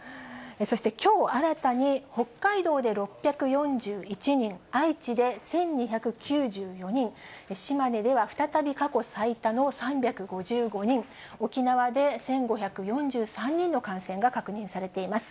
そして、きょう新たに北海道で６４１人、愛知で１２９４人、島根では再び、過去最多の３５５人、沖縄で１５４３人の感染が確認されています。